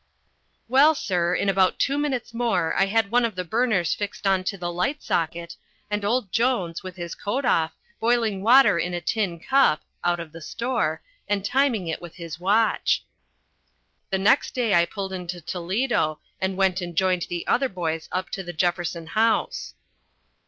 Well, sir, in about two minutes more, I had one of the burners fixed on to the light socket, and old Jones, with his coat off, boiling water in a tin cup (out of the store) and timing it with his watch. The next day I pulled into Toledo and went and joined the other boys up to the Jefferson House.